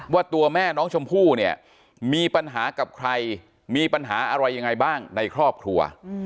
ว่าตัวแม่น้องชมพู่เนี่ยมีปัญหากับใครมีปัญหาอะไรยังไงบ้างในครอบครัว